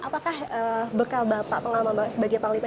apakah bekal bapak pengalaman bapak sebagai panglima